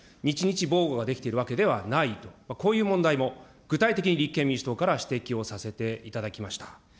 日日防護ができているわけではないと、こういう問題も具体的に立憲民主党からは指摘をさせていただきました。